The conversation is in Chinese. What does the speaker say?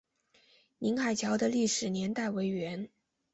宁海桥的历史年代为元。